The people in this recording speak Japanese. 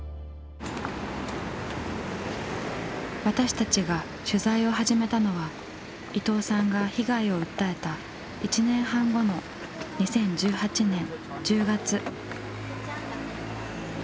私たちが取材を始めたのは伊藤さんが被害を訴えた１年半後の２０１８年１０月。